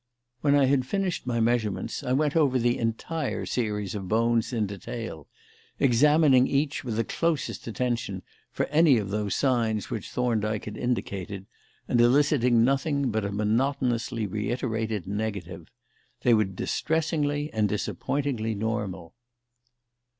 When I had finished my measurements I went over the entire series of bones in detail, examining each with the closest attention for any of those signs which Thorndyke had indicated, and eliciting nothing but a monotonously reiterated negative. They were distressingly and disappointingly normal.